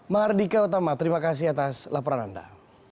mahardika utama terima kasih atas laporan anda